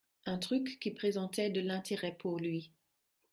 un truc qui présentait de l’intérêt pour lui,